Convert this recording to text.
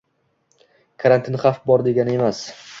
Karantin xavf bor degani emas